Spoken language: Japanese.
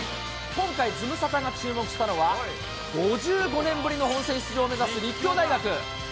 今回、ズムサタが注目したのは、５５年ぶりの本選出場を目指す立教大学。